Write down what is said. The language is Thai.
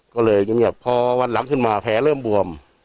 ก็เลยเงียบพอวันหลังขึ้นมาแผลเริ่มบวม